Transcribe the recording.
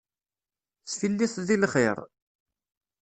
Tesfilliteḍ i lxir?